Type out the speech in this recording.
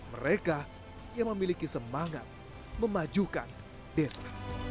mereka yang memiliki semangat memajukan desa